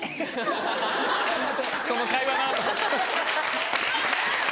その会話が。